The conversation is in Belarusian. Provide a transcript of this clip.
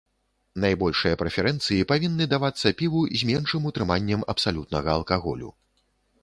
Найбольшыя прэферэнцыі павінны давацца піву з меншым утрыманнем абсалютнага алкаголю.